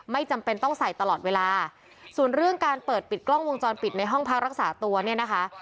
จำเป็นต้องใส่ตลอดเวลาส่วนเรื่องการเปิดปิดกล้องวงจรปิดในห้องพักรักษาตัวเนี่ยนะคะ